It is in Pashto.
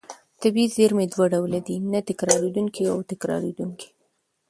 طبیعي زېرمې دوه ډوله دي: نه تکرارېدونکې او تکرارېدونکې.